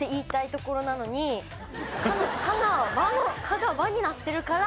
「か」が「わ」になってるから「